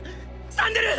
サンデル！